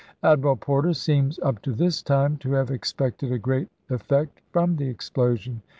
Admiral Porter seems up to this time to have expected a great effect from the explosion.